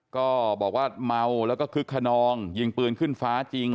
ก็บอกว่าเมาแล้วก็คึกขนองยิงปืนขึ้นฟ้าจริง